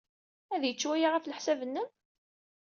Ad yečč waya, ɣef leḥsab-nnem?